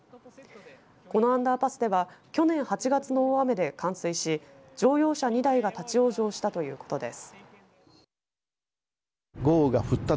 このアンダーパスでは去年８月の大雨で冠水し乗用車２台が立往生したということです。